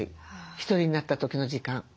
１人になった時の時間。